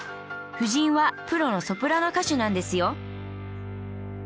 夫人はプロのソプラノ歌手なんですよ